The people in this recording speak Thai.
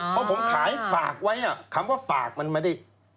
เพราะผมขายฝากไว้คำว่าฝากมันไม่ได้